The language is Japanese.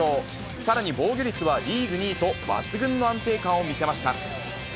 さらに防御率はリーグ２位と、抜群の安定感を見せました。